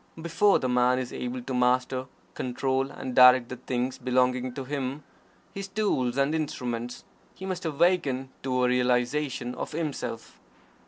Before the Man is able to master, control, and direct the things belonging to him his tools and instruments he must awaken to a realization of Himself.